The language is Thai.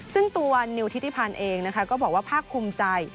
ซึ่งตัวนิวธิษภัณฑ์เองนะคะก็บอกว่าภาคคุมใจ